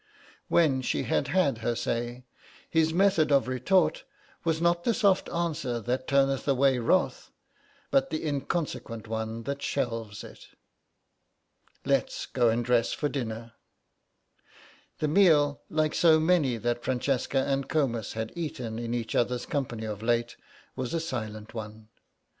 When she had had her say his method of retort was not the soft answer that turneth away wrath but the inconsequent one that shelves it. "Let's go and dress for dinner." The meal, like so many that Francesca and Comus had eaten in each other's company of late, was a silent one.